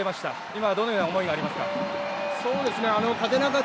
今はどのような思いがありますか。